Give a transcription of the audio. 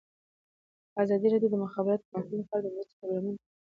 ازادي راډیو د د مخابراتو پرمختګ لپاره د مرستو پروګرامونه معرفي کړي.